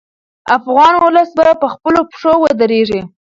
افغان ولس به په خپلو پښو ودرېږي.